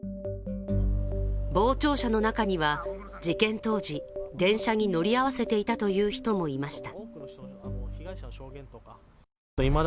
傍聴者の中には事件当時、電車に乗り合わせていたという人もいました。